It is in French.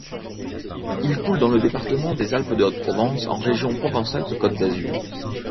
Il coule dans le département des Alpes-de-Haute-Provence en région Provence-Alpes-Côte d'Azur.